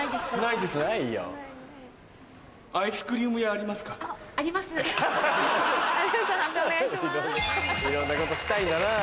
いろんなことしたいんだなぁ。